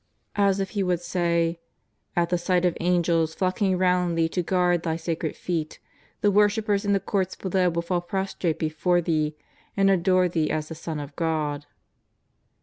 As if he would say: "At the sight of Angels flock ing round Thee to guard Thy sacred feet, the worship pers in the Courts below will fall prostrate before Thee and adore Thee as the Son of God."